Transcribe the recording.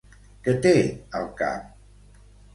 Què té al cap?